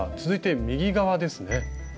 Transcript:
続いて右側ですね。